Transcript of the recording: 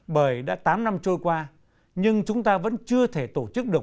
bởi đã tám năm trôi qua nhưng chúng ta vẫn chưa thể tổ chức được